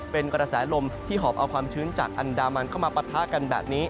เป็นกระแสลมที่หอบเอาความชื้นจากอันดามันเข้ามาปะทะกันแบบนี้